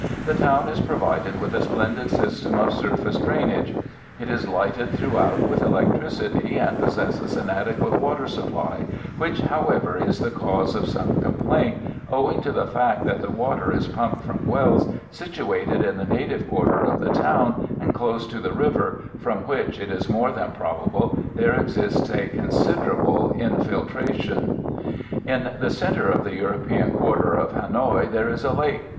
The town is provided with a splendid system of surface drainage; it is lighted throughout with electricity, and possesses an adequate water supply, which, however, is the cause of some complaint, owing to the fact that the water is pumped from wells situated in the native quarter of the town and close to the river, from which, it is more than probable, there exists a considerable infiltration. In the centre of the European quarter of Hanoï there is a lake.